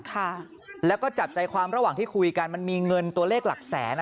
ค่ะแล้วก็จับใจความระหว่างที่คุยกันมันมีเงินตัวเลขหลักแสนอ่ะ